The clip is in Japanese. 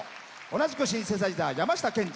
同じくシンセサイザー、山下憲治。